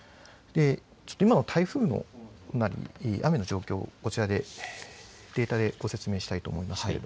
今の台風、雨の状況をデータでご説明したいと思います。